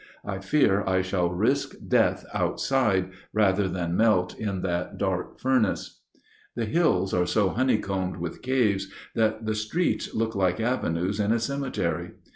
I fear I shall risk death outside rather than melt in that dark furnace. The hills are so honeycombed with caves that the streets look like avenues in a cemetery.